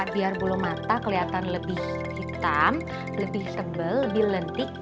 biar bulu mata kelihatan lebih hitam lebih tebal lebih lentik